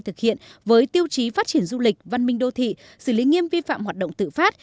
thực hiện với tiêu chí phát triển du lịch văn minh đô thị xử lý nghiêm vi phạm hoạt động tự phát